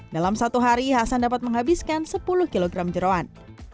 dalam satu hari hasan dapat menghabiskan sepuluh kg jerawan